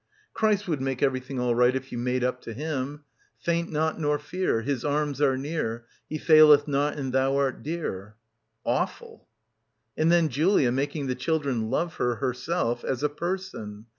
Christ would make everything all right if you made up to him. "Faint not nor fear, his arms are near. — 276 — BACKWATER He faileth not and thou art dear." Awful ... And then Julia, making the children love her, herself, as a person.